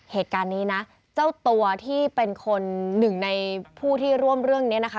เหตุการณ์นี้นะเจ้าตัวที่เป็นคนหนึ่งในผู้ที่ร่วมเรื่องนี้นะคะ